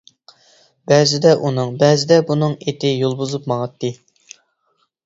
بەزىدە ئۇنىڭ، بەزىدە بۇنىڭ ئېتى يول بۇزۇپ ماڭاتتى.